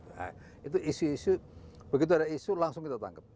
nah itu isu isu begitu ada isu langsung kita tangkap